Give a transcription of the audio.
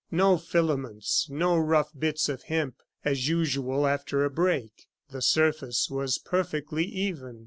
No filaments, no rough bits of hemp, as usual after a break; the surface was perfectly even.